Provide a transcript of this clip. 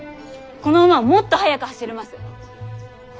この馬はもっと速く走れます。